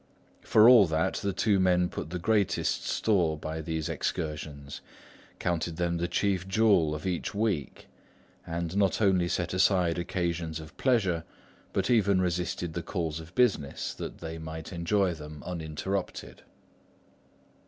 For all that, the two men put the greatest store by these excursions, counted them the chief jewel of each week, and not only set aside occasions of pleasure, but even resisted the calls of business, that they might enjoy them uninterrupted.